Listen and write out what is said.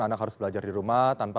anak harus belajar di rumah tanpa